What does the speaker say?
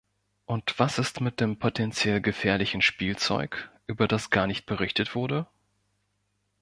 Und was ist mit dem potenziell gefährlichen Spielzeug, über das gar nicht berichtet wurde?